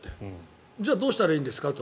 じゃあどうしたらいいんですかと。